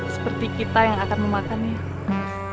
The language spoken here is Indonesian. seperti kita yang akan memakannya